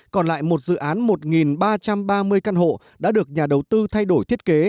còn lại một dự án một ba trăm ba mươi căn hộ đã được nhà đầu tư thay đổi thiết kế